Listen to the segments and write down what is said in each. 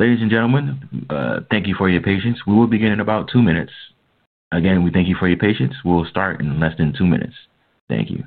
Ladies and gentlemen, thank you for your patience. We will begin in about two minutes. Again, we thank you for your patience. We'll start in less than two minutes. Thank you.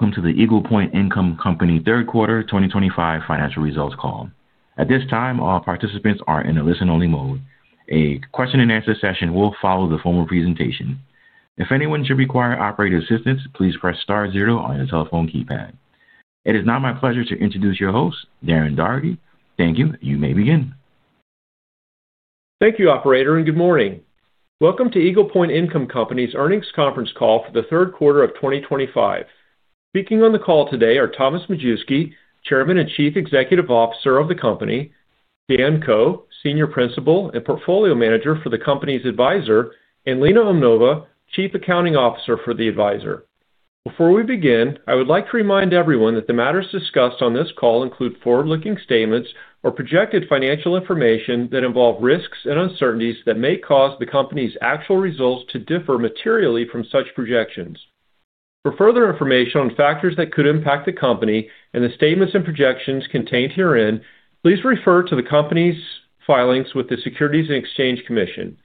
Greetings and welcome to the Eagle Point Income Company third quarter 2025 financial results call. At this time, all participants are in a listen-only mode. A question-and-answer session will follow the formal presentation. If anyone should require operator assistance, please press star zero on your telephone keypad. It is now my pleasure to introduce your host, Darren Daugherty. Thank you. You may begin. Thank you, Operator, and good morning. Welcome to Eagle Point Income Company's earnings conference call for the third quarter of 2025. Speaking on the call today are Thomas Majewski, Chairman and Chief Executive Officer of the company; Dan Ko, Senior Principal and Portfolio Manager for the company's advisor; and Lena Onorio, Chief Accounting Officer for the advisor. Before we begin, I would like to remind everyone that the matters discussed on this call include forward-looking statements or projected financial information that involve risks and uncertainties that may cause the company's actual results to differ materially from such projections. For further information on factors that could impact the company and the statements and projections contained herein, please refer to the company's filings with the Securities and Exchange Commission.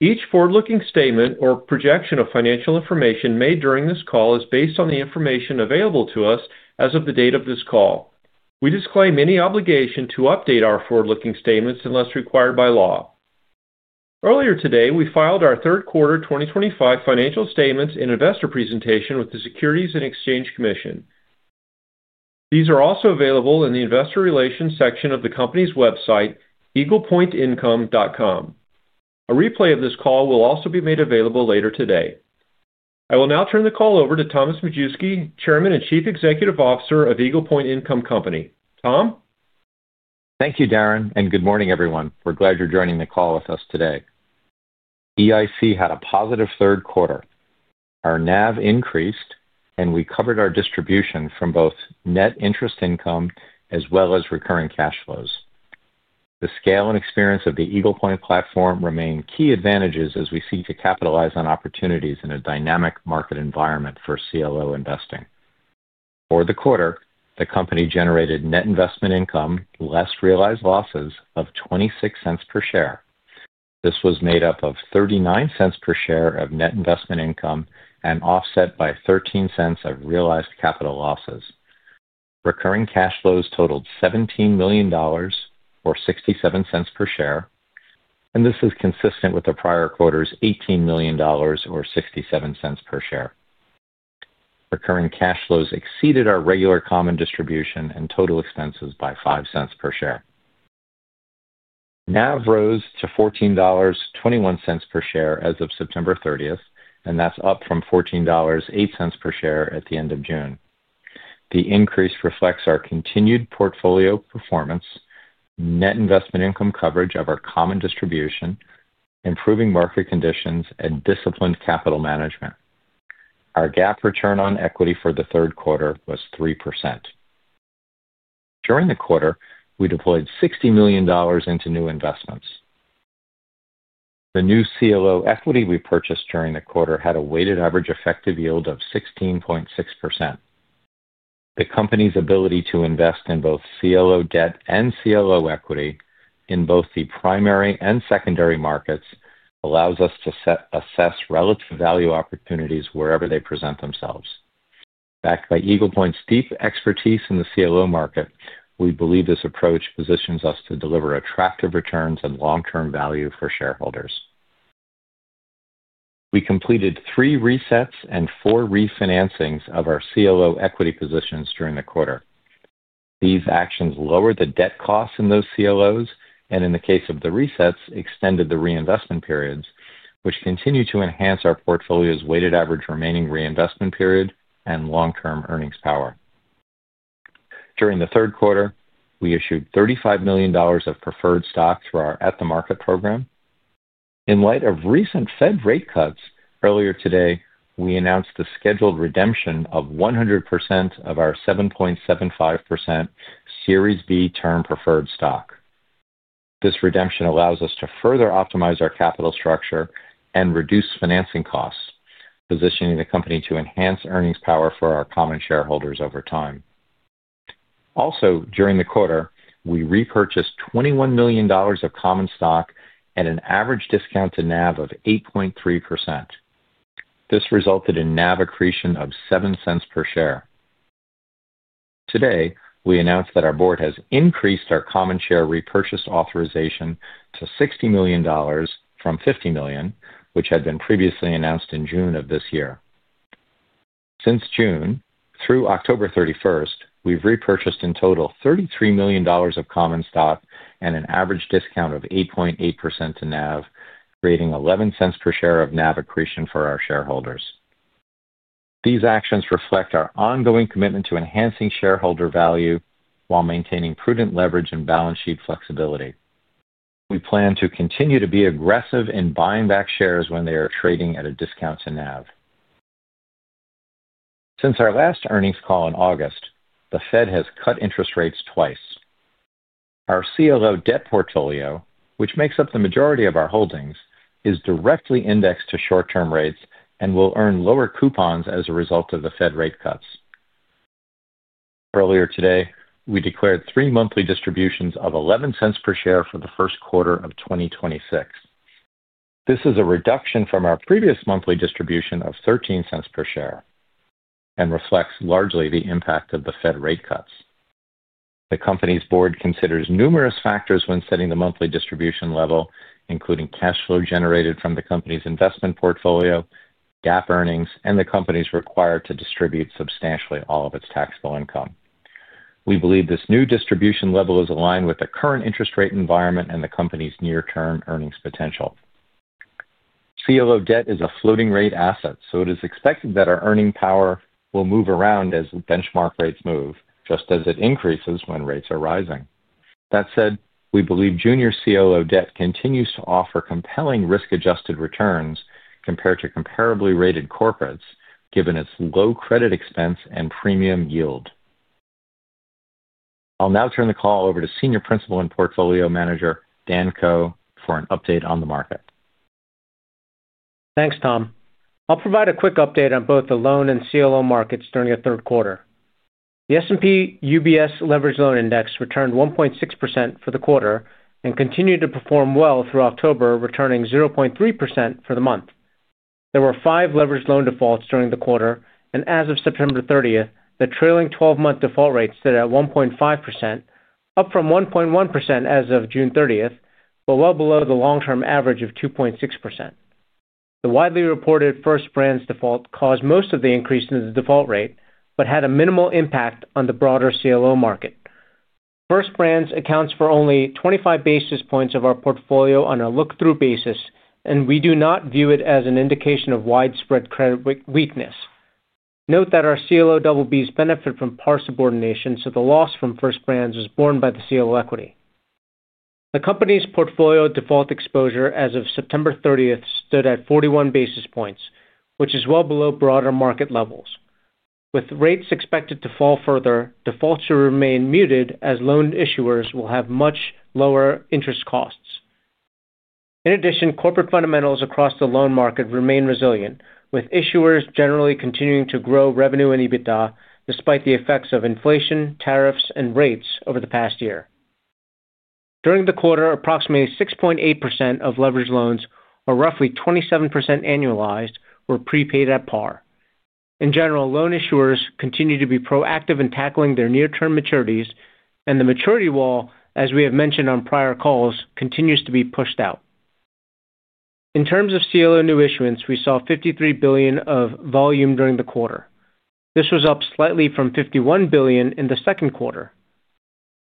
Each forward-looking statement or projection of financial information made during this call is based on the information available to us as of the date of this call. We disclaim any obligation to update our forward-looking statements unless required by law. Earlier today, we filed our third quarter 2025 financial statements and investor presentation with the Securities and Exchange Commission. These are also available in the investor relations section of the company's website, eaglepointincome.com. A replay of this call will also be made available later today. I will now turn the call over to Thomas Majewski, Chairman and Chief Executive Officer of Eagle Point Income Company. Tom? Thank you, Darren and good morning, everyone. We're glad you're joining the call with us today. EIC had a positive third quarter. Our NAV increased, and we covered our distribution from both net interest income as well as recurring cash flows. The scale and experience of the Eagle Point platform remain key advantages as we seek to capitalize on opportunities in a dynamic market environment for CLO investing. For the quarter, the company generated net investment income less realized losses of $0.26 per share. This was made up of $0.39 per share of net investment income and offset by $0.13 of realized capital losses. Recurring cash flows totaled $17 million or $0.67 per share, and this is consistent with the prior quarter's $18 million or $0.67 per share. Recurring cash flows exceeded our regular common distribution and total expenses by $0.05 per share. NAV rose to $14.21 per share as of September 30th, and that's up from $14.08 per share at the end of June. The increase reflects our continued portfolio performance, net investment income coverage of our common distribution, improving market conditions, and disciplined capital management. Our GAAP return on equity for the third quarter was 3%. During the quarter, we deployed $60 million into new investments. The new CLO equity we purchased during the quarter had a weighted average effective yield of 16.6%. The company's ability to invest in both CLO debt and CLO equity in both the primary and secondary markets allows us to assess relative value opportunities wherever they present themselves. Backed by Eagle Point's deep expertise in the CLO market, we believe this approach positions us to deliver attractive returns and long-term value for shareholders. We completed three resets and four refinancings of our CLO equity positions during the quarter. These actions lowered the debt costs in those CLOs and, in the case of the resets, extended the reinvestment periods, which continue to enhance our portfolio's weighted average remaining reinvestment period and long-term earnings power. During the third quarter, we issued $35 million of preferred stock through our At the Market program. In light of recent Fed rate cuts, earlier today, we announced the scheduled redemption of 100% of our 7.75% Series B Term Preferred Stock. This redemption allows us to further optimize our capital structure and reduce financing costs, positioning the company to enhance earnings power for our common shareholders over time. Also, during the quarter, we repurchased $21 million of common stock at an average discount to NAV of 8.3%. This resulted in NAV accretion of $0.07 per share. Today, we announced that our board has increased our common share repurchase authorization to $60 million from $50 million, which had been previously announced in June of this year. Since June, through October 31, we've repurchased in total $33 million of common stock at an average discount of 8.8% to NAV, creating $0.11 per share of NAV accretion for our shareholders. These actions reflect our ongoing commitment to enhancing shareholder value while maintaining prudent leverage and balance sheet flexibility. We plan to continue to be aggressive in buying back shares when they are trading at a discount to NAV. Since our last earnings call in August, the Fed has cut interest rates twice. Our CLO debt portfolio, which makes up the majority of our holdings, is directly indexed to short-term rates and will earn lower coupons as a result of the Fed rate cuts. Earlier today, we declared three monthly distributions of $0.11 per share for the first quarter of 2026. This is a reduction from our previous monthly distribution of $0.13 per share and reflects largely the impact of the Fed rate cuts. The company's board considers numerous factors when setting the monthly distribution level, including cash flow generated from the company's investment portfolio, GAAP earnings, and the company's requirement to distribute substantially all of its taxable income. We believe this new distribution level is aligned with the current interest rate environment and the company's near-term earnings potential. CLO debt is a floating-rate asset, so it is expected that our earning power will move around as benchmark rates move, just as it increases when rates are rising. That said, we believe junior CLO debt continues to offer compelling risk-adjusted returns compared to comparably rated corporates, given its low credit expense and premium yield. I'll now turn the call over to Senior Principal and Portfolio Manager Dan Ko for an update on the market. Thanks, Tom. I'll provide a quick update on both the loan and CLO markets during the third quarter. The S&P UBS Leveraged Loan Index returned 1.6% for the quarter and continued to perform well through October, returning 0.3% for the month. There were five leveraged loan defaults during the quarter, and as of September 30th, the trailing 12-month default rate stood at 1.5%, up from 1.1% as of June 30th, but well below the long-term average of 2.6%. The widely reported First Brands default caused most of the increase in the default rate but had a minimal impact on the broader CLO market. First Brands accounts for only 25 basis points of our portfolio on a look-through basis, and we do not view it as an indication of widespread credit weakness. Note that our CLO BBs benefit from par subordination, so the loss from First Brands was borne by the CLO equity. The company's portfolio default exposure as of September 30 stood at 41 basis points, which is well below broader market levels. With rates expected to fall further, defaults should remain muted as loan issuers will have much lower interest costs. In addition, corporate fundamentals across the loan market remain resilient, with issuers generally continuing to grow revenue in EBITDA despite the effects of inflation, tariffs, and rates over the past year. During the quarter, approximately 6.8% of leveraged loans, or roughly 27% annualized, were prepaid at par. In general, loan issuers continue to be proactive in tackling their near-term maturities, and the maturity wall, as we have mentioned on prior calls, continues to be pushed out. In terms of CLO new issuance, we saw $53 billion of volume during the quarter. This was up slightly from $51 billion in the second quarter.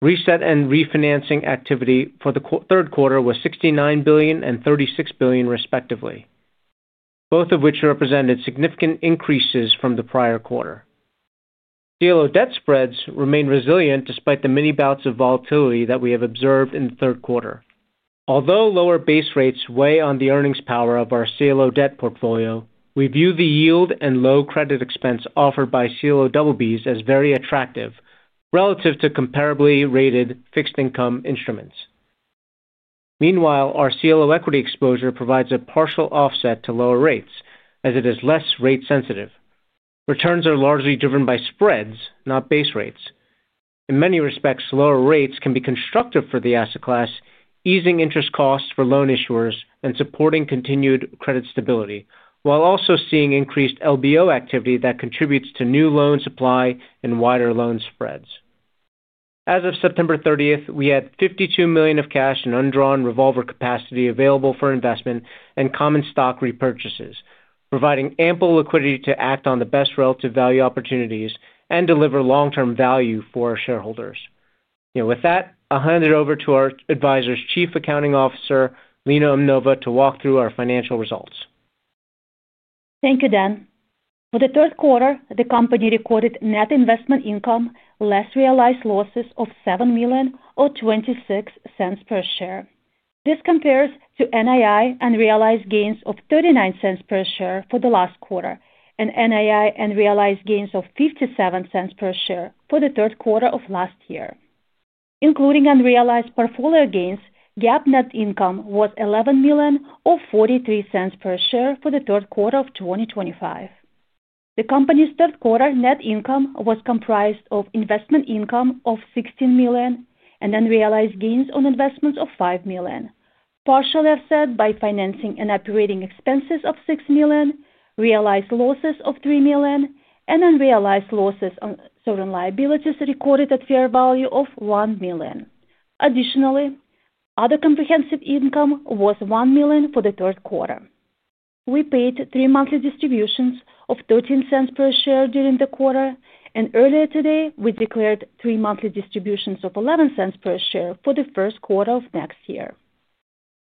Reset and refinancing activity for the third quarter was $69 billion and $36 billion, respectively, both of which represented significant increases from the prior quarter. CLO debt spreads remain resilient despite the many bouts of volatility that we have observed in the third quarter. Although lower base rates weigh on the earnings power of our CLO debt portfolio, we view the yield and low credit expense offered by CLO BBs as very attractive relative to comparably rated fixed income instruments. Meanwhile, our CLO equity exposure provides a partial offset to lower rates, as it is less rate-sensitive. Returns are largely driven by spreads, not base rates. In many respects, lower rates can be constructive for the asset class, easing interest costs for loan issuers and supporting continued credit stability, while also seeing increased LBO activity that contributes to new loan supply and wider loan spreads. As of September 30, we had $52 million of cash and undrawn revolver capacity available for investment and common stock repurchases, providing ample liquidity to act on the best relative value opportunities and deliver long-term value for our shareholders. With that, I'll hand it over to our advisor's Chief Accounting Officer, Lena Umnova, to walk through our financial results. Thank you, Dan. For the third quarter, the company recorded net investment income less realized losses of $7 million or $0.26 per share. This compares to NII unrealized gains of $0.39 per share for the last quarter and NII unrealized gains of $0.57 per share for the third quarter of last year. Including unrealized portfolio gains, GAAP net income was $11 million or $0.43 per share for the third quarter of 2025. The company's third quarter net income was comprised of investment income of $16 million and unrealized gains on investments of $5 million, partially offset by financing and operating expenses of $6 million, realized losses of $3 million, and unrealized losses on certain liabilities recorded at fair value of $1 million. Additionally, other comprehensive income was $1 million for the third quarter. We paid three monthly distributions of $0.13 per share during the quarter, and earlier today, we declared three monthly distributions of $0.11 per share for the first quarter of next year.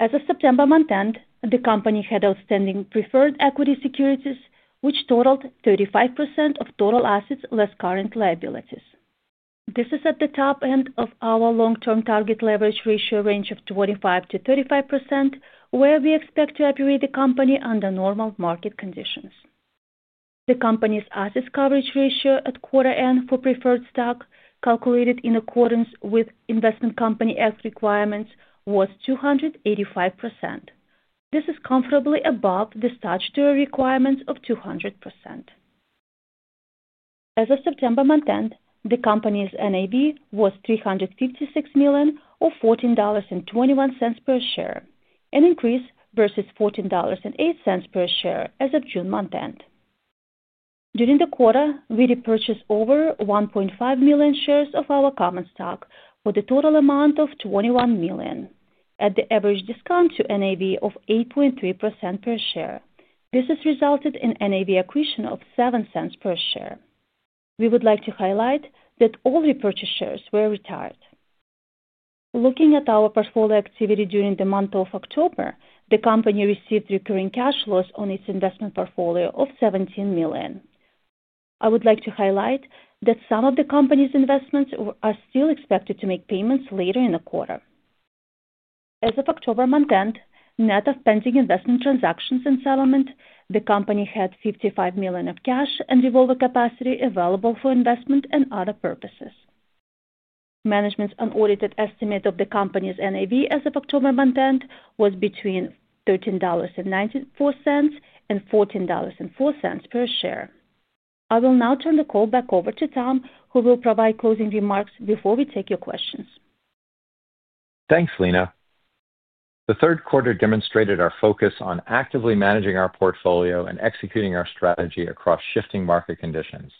As of September month-end, the company had outstanding preferred equity securities, which totaled 35% of total assets less current liabilities. This is at the top end of our long-term target leverage ratio range of 25%-35%, where we expect to operate the company under normal market conditions. The company's asset coverage ratio at quarter end for preferred stock, calculated in accordance with investment company F requirements, was 285%. This is comfortably above the statutory requirements of 200%. As of September month-end, the company's NAV was $356 million or $14.21 per share, an increase versus $14.08 per share as of June month-end. During the quarter, we repurchased over 1.5 million shares of our common stock for the total amount of $21 million, at the average discount to NAV of 8.3% per share. This has resulted in NAV accretion of $0.07 per share. We would like to highlight that all repurchased shares were retired. Looking at our portfolio activity during the month of October, the company received recurring cash flows on its investment portfolio of $17 million. I would like to highlight that some of the company's investments are still expected to make payments later in the quarter. As of October month-end, net of pending investment transactions and settlement, the company had $55 million of cash and revolver capacity available for investment and other purposes. Management's unaudited estimate of the company's NAV as of October month-end was between $13.94 and $14.04 per share. I will now turn the call back over to Tom, who will provide closing remarks before we take your questions. Thanks, Lena. The third quarter demonstrated our focus on actively managing our portfolio and executing our strategy across shifting market conditions.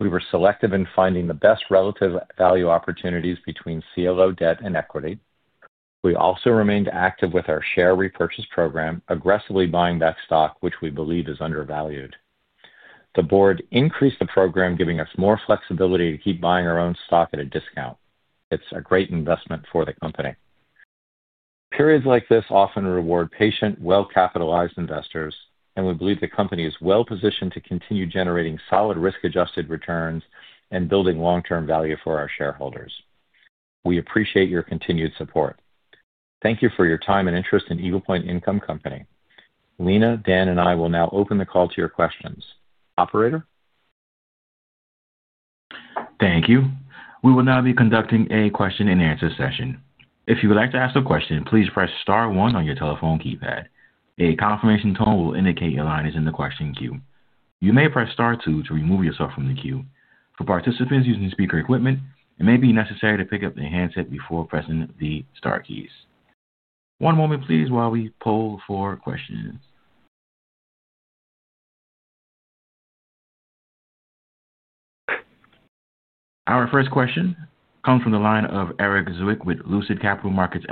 We were selective in finding the best relative value opportunities between CLO debt and equity. We also remained active with our share repurchase program, aggressively buying back stock, which we believe is undervalued. The board increased the program, giving us more flexibility to keep buying our own stock at a discount. It's a great investment for the company. Periods like this often reward patient, well-capitalized investors, and we believe the company is well-positioned to continue generating solid risk-adjusted returns and building long-term value for our shareholders. We appreciate your continued support. Thank you for your time and interest in Eagle Point Income Company. Lena, Dan, and I will now open the call to your questions. Operator? Thank you. We will now be conducting a question-and-answer session. If you would like to ask a question, please press Star 1 on your telephone keypad. A confirmation tone will indicate your line is in the question queue. You may press Star 2 to remove yourself from the queue. For participants using speaker equipment, it may be necessary to pick up the handset before pressing the Star keys. One moment, please, while we poll for questions. Our first question comes from the line of Erik Zwick with Lucid Capital Markets.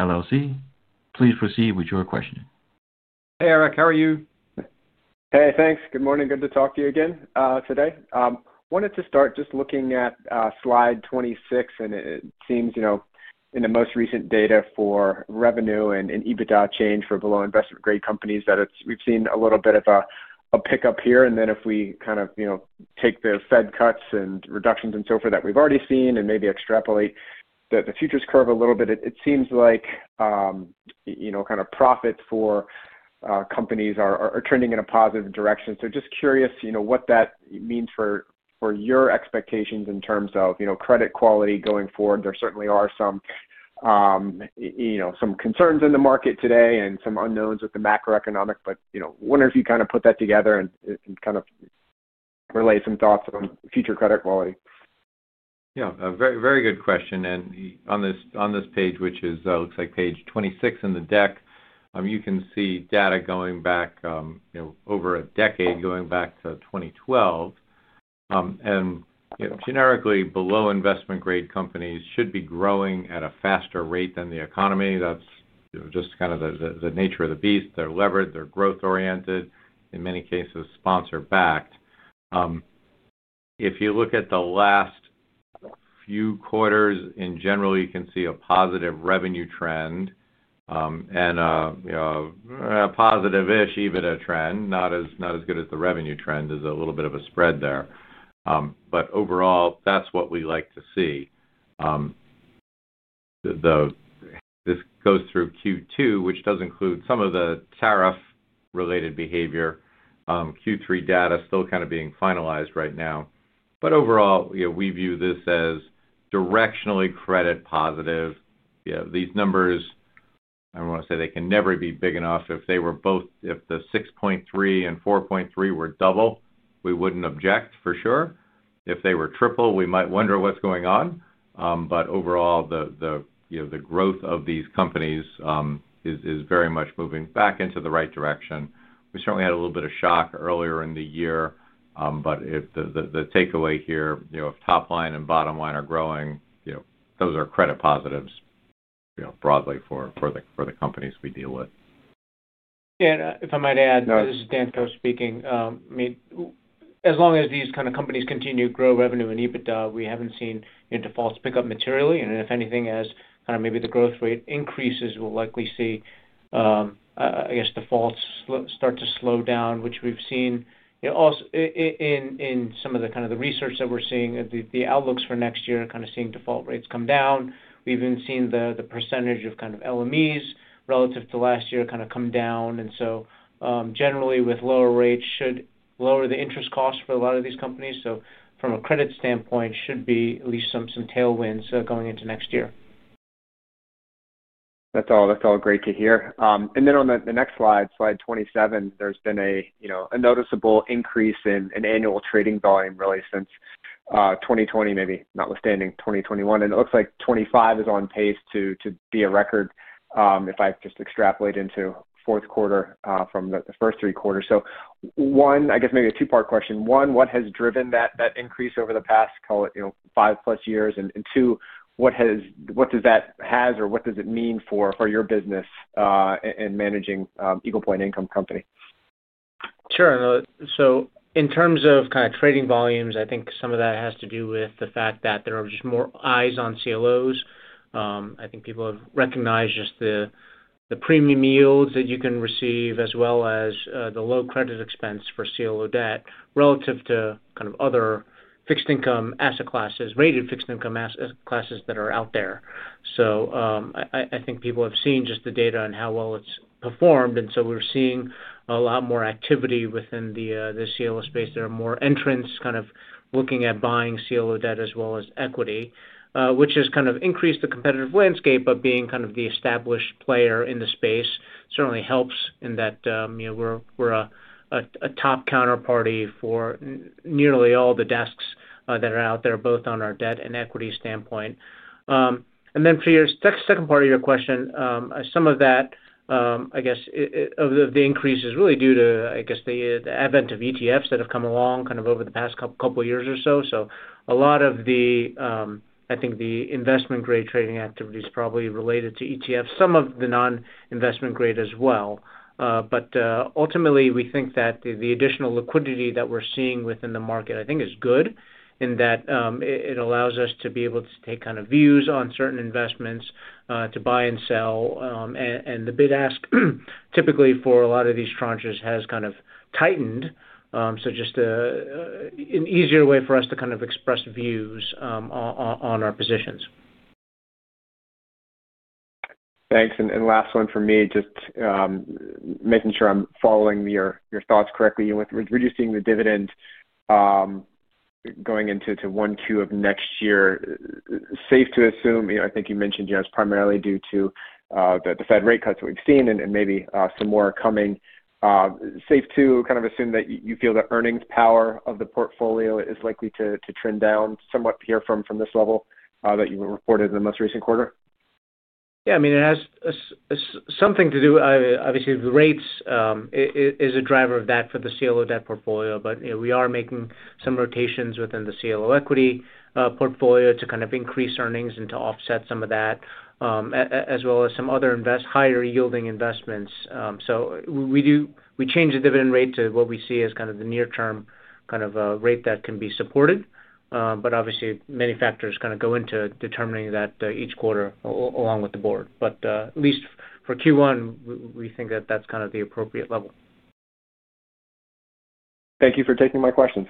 Please proceed with your question. Hey, Eric. How are you? Hey, thanks. Good morning. Good to talk to you again today. I wanted to start just looking at slide 26, and it seems in the most recent data for revenue and EBITDA change for below investment-grade companies that we've seen a little bit of a pickup here. If we kind of take the Fed cuts and reductions and so forth that we've already seen and maybe extrapolate the futures curve a little bit, it seems like kind of profits for companies are trending in a positive direction. Just curious what that means for your expectations in terms of credit quality going forward. There certainly are some concerns in the market today and some unknowns with the macroeconomics, but wonder if you kind of put that together and kind of relay some thoughts on future credit quality. Yeah. Very good question. On this page, which looks like page 26 in the deck, you can see data going back over a decade, going back to 2012. Generically, below investment-grade companies should be growing at a faster rate than the economy. That's just kind of the nature of the beast. They're levered. They're growth-oriented. In many cases, sponsor-backed. If you look at the last few quarters, in general, you can see a positive revenue trend and a positive-ish EBITDA trend. Not as good as the revenue trend. There's a little bit of a spread there. Overall, that's what we like to see. This goes through Q2, which does include some of the tariff-related behavior. Q3 data is still kind of being finalized right now. Overall, we view this as directionally credit positive. These numbers, I want to say they can never be big enough. If the 6.3 and 4.3 were double, we wouldn't object for sure. If they were triple, we might wonder what's going on. Overall, the growth of these companies is very much moving back into the right direction. We certainly had a little bit of shock earlier in the year, but the takeaway here, if top line and bottom line are growing, those are credit positives broadly for the companies we deal with. Yeah. If I might add, this is Dan Ko speaking. I mean, as long as these kind of companies continue to grow revenue and EBITDA, we have not seen defaults pick up materially. If anything, as kind of maybe the growth rate increases, we will likely see, I guess, defaults start to slow down, which we have seen in some of the kind of research that we are seeing, the outlooks for next year, kind of seeing default rates come down. We have even seen the percentage of kind of LMEs relative to last year kind of come down. Generally, with lower rates, should lower the interest costs for a lot of these companies. From a credit standpoint, should be at least some tailwinds going into next year. That's all great to hear. Then on the next slide, slide 27, there's been a noticeable increase in annual trading volume really since 2020, maybe notwithstanding 2021. It looks like 25 is on pace to be a record if I just extrapolate into fourth quarter from the first three quarters. One, I guess maybe a two-part question. One, what has driven that increase over the past, call it, five-plus years? Two, what does that have or what does it mean for your business in managing Eagle Point Income Company? Sure. In terms of kind of trading volumes, I think some of that has to do with the fact that there are just more eyes on CLOs. I think people have recognized just the premium yields that you can receive as well as the low credit expense for CLO debt relative to kind of other fixed income asset classes, rated fixed income asset classes that are out there. I think people have seen just the data and how well it has performed. We are seeing a lot more activity within the CLO space. There are more entrants kind of looking at buying CLO debt as well as equity, which has kind of increased the competitive landscape of being kind of the established player in the space. Certainly helps in that we're a top counterparty for nearly all the desks that are out there, both on our debt and equity standpoint. For your second part of your question, some of that, I guess, of the increase is really due to, I guess, the advent of ETFs that have come along kind of over the past couple of years or so. A lot of the, I think, the investment-grade trading activity is probably related to ETFs, some of the non-investment-grade as well. Ultimately, we think that the additional liquidity that we're seeing within the market, I think, is good in that it allows us to be able to take kind of views on certain investments, to buy and sell. The bid-ask typically for a lot of these tranches has kind of tightened. Just an easier way for us to kind of express views on our positions. Thanks. Last one for me, just making sure I'm following your thoughts correctly. With reducing the dividend going into one Q of next year, safe to assume, I think you mentioned it's primarily due to the Fed rate cuts that we've seen and maybe some more coming. Safe to kind of assume that you feel the earnings power of the portfolio is likely to trend down somewhat here from this level that you reported in the most recent quarter? Yeah. I mean, it has something to do, obviously, with rates. It is a driver of that for the CLO debt portfolio. But we are making some rotations within the CLO equity portfolio to kind of increase earnings and to offset some of that, as well as some other higher-yielding investments. We change the dividend rate to what we see as kind of the near-term kind of rate that can be supported. Obviously, many factors kind of go into determining that each quarter along with the board. At least for Q1, we think that that is kind of the appropriate level. Thank you for taking my questions.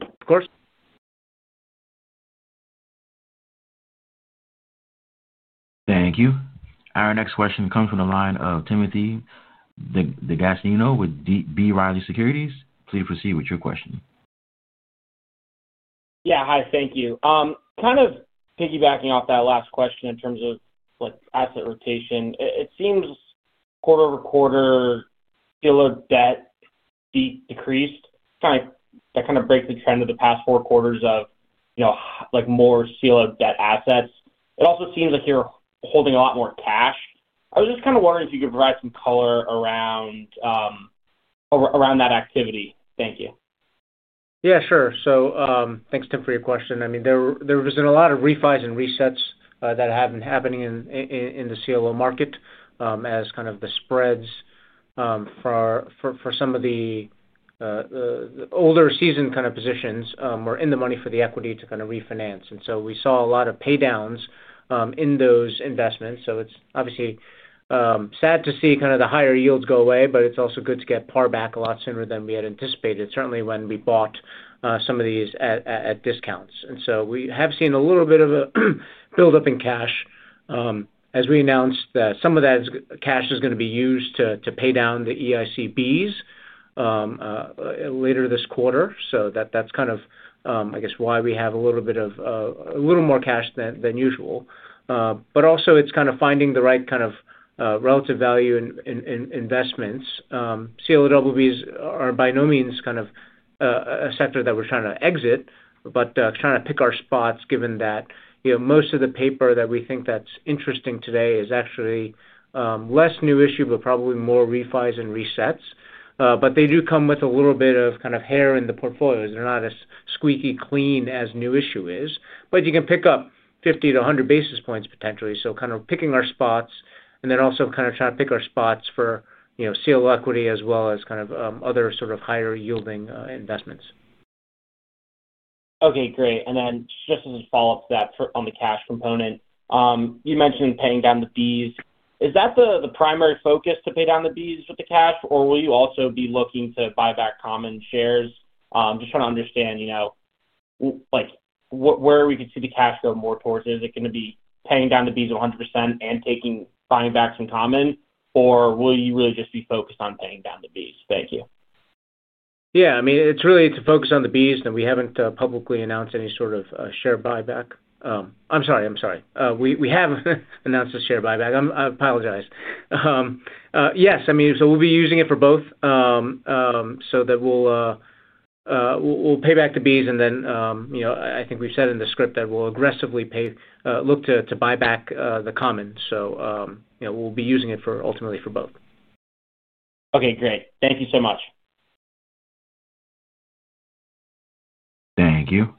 Of course. Thank you. Our next question comes from the line of Timothy D'Agostino with B. Riley Securities. Please proceed with your question. Yeah. Hi. Thank you. Kind of piggybacking off that last question in terms of asset rotation, it seems quarter over quarter, CLO debt decreased. That kind of breaks the trend of the past four quarters of more CLO debt assets. It also seems like you're holding a lot more cash. I was just kind of wondering if you could provide some color around that activity. Thank you. Yeah. Sure. So thanks, Tim, for your question. I mean, there have been a lot of refis and resets that have been happening in the CLO market as kind of the spreads for some of the older season kind of positions were in the money for the equity to kind of refinance. We saw a lot of paydowns in those investments. It is obviously sad to see kind of the higher yields go away, but it is also good to get par back a lot sooner than we had anticipated, certainly when we bought some of these at discounts. We have seen a little bit of a build-up in cash as we announced that some of that cash is going to be used to pay down the EIC Bs later this quarter. That's kind of, I guess, why we have a little bit more cash than usual. Also, it's kind of finding the right kind of relative value in investments. CLO BB securities are by no means a sector that we're trying to exit, but trying to pick our spots given that most of the paper that we think is interesting today is actually less new issue, but probably more refinancings and resets. They do come with a little bit of hair in the portfolios. They're not as squeaky clean as new issue is, but you can pick up 50-100 basis points potentially. Kind of picking our spots and then also trying to pick our spots for CLO equity as well as other sort of higher-yielding investments. Okay. Great. Just as a follow-up to that on the cash component, you mentioned paying down the fees. Is that the primary focus, to pay down the fees with the cash, or will you also be looking to buy back common shares? Just trying to understand where we could see the cash go more towards. Is it going to be paying down the fees 100% and buying back some common, or will you really just be focused on paying down the fees? Thank you. Yeah. I mean, it's really to focus on the Bs, and we haven't publicly announced any sort of share buyback. I'm sorry. I'm sorry. We have announced a share buyback. I apologize. Yes. I mean, we'll be using it for both so that we'll pay back the Bs. I think we've said in the script that we'll aggressively look to buy back the common. We'll be using it ultimately for both. Okay. Great. Thank you so much. Thank you.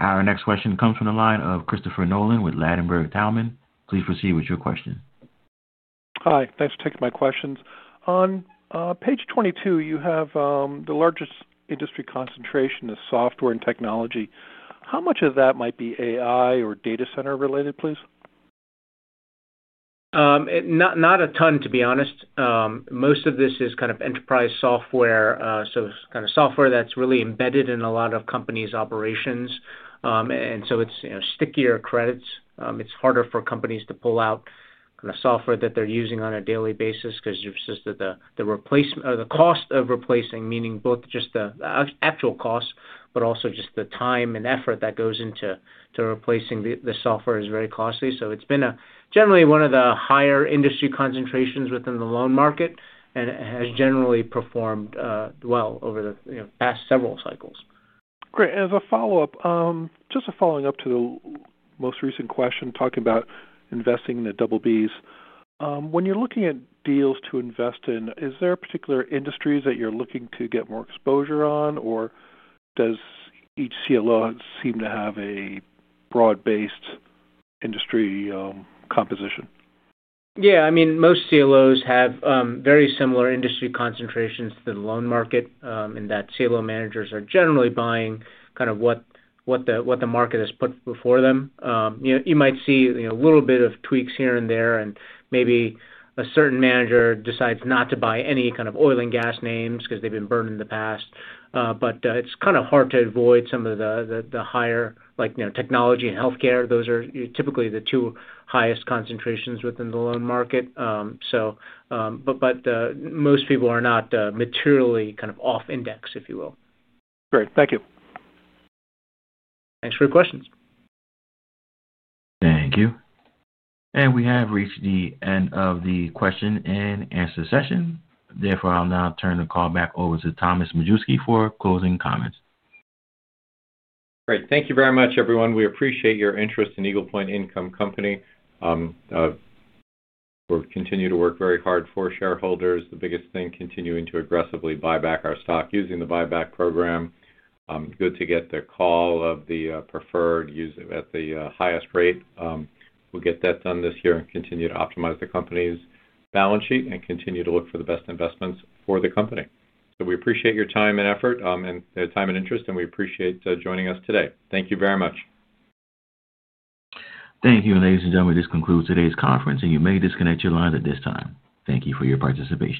Our next question comes from the line of Christopher Nolan with Ladenburg Thalmann. Please proceed with your question. Hi. Thanks for taking my questions. On page 22, you have the largest industry concentration is software and technology. How much of that might be AI or data center related, please? Not a ton, to be honest. Most of this is kind of enterprise software. It is kind of software that's really embedded in a lot of companies' operations. It is stickier credits. It is harder for companies to pull out the software that they're using on a daily basis because just the cost of replacing, meaning both just the actual cost, but also just the time and effort that goes into replacing the software is very costly. It has been generally one of the higher industry concentrations within the loan market and has generally performed well over the past several cycles. Great. As a follow-up, just following up to the most recent question talking about investing in the BBs, when you're looking at deals to invest in, is there particular industries that you're looking to get more exposure on, or does each CLO seem to have a broad-based industry composition? Yeah. I mean, most CLOs have very similar industry concentrations to the loan market in that CLO managers are generally buying kind of what the market has put before them. You might see a little bit of tweaks here and there, and maybe a certain manager decides not to buy any kind of oil and gas names because they've been burned in the past. It's kind of hard to avoid some of the higher technology and healthcare. Those are typically the two highest concentrations within the loan market. Most people are not materially kind of off-index, if you will. Great. Thank you. Thanks for your questions. Thank you. We have reached the end of the question and answer session. Therefore, I'll now turn the call back over to Thomas Majewski for closing comments. Great. Thank you very much, everyone. We appreciate your interest in Eagle Point Income Company. We'll continue to work very hard for shareholders. The biggest thing, continuing to aggressively buy back our stock using the buyback program. Good to get the call of the preferred at the highest rate. We'll get that done this year and continue to optimize the company's balance sheet and continue to look for the best investments for the company. We appreciate your time and effort and time and interest, and we appreciate joining us today. Thank you very much. Thank you. Ladies and gentlemen, this concludes today's conference, and you may disconnect your lines at this time. Thank you for your participation.